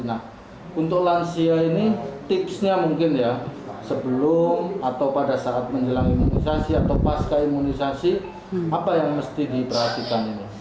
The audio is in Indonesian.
nah untuk lansia ini tipsnya mungkin ya sebelum atau pada saat menjelang imunisasi atau pasca imunisasi apa yang mesti diperhatikan ini